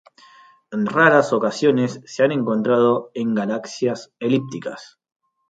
En raras ocasiones se han encontrado en galaxias elípticas.